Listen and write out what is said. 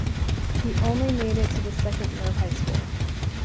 He only made it to the second year of high school.